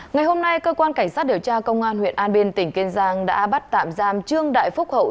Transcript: ngày hôm nay cơ quan cảnh sát điều tra công an huyện an biên tỉnh kiên giang đã bắt tạm giam trương đại phúc hậu